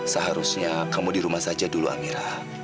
seharusnya kamu di rumah saja dulu amira